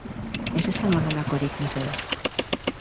Ez esan horrelakorik, mesedez.